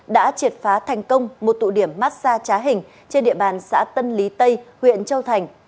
đã triệt phá thành công một tụ điểm massage trá hình trên địa bàn xã tân lý tây huyện châu thành